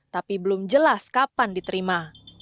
tapi belum jelas kapan diterima